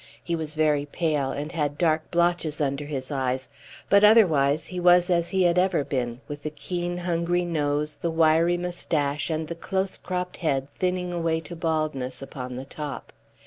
He was very pale, and had dark blotches under his eyes, but otherwise he was as he had ever been, with the keen, hungry nose, the wiry moustache, and the close cropped head thinning away to baldness upon the top.